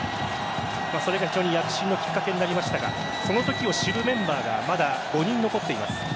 それが非常に躍進のきっかけになりましたがその時を知るメンバーがまだ５人残っています。